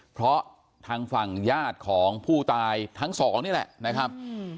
เพราะทางฝั่งญาติของผู้ตายทั้งสองนี่แหละนะครับ